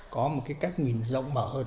có một cái cách nhìn rộng mở hơn